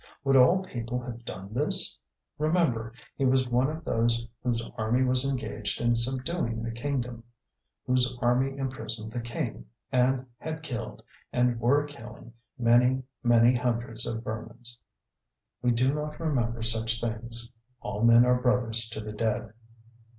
Would all people have done this? Remember, he was one of those whose army was engaged in subduing the kingdom; whose army imprisoned the king, and had killed, and were killing, many, many hundreds of Burmans. 'We do not remember such things. All men are brothers to the dead.'